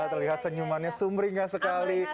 terlihat senyumannya sumringah sekali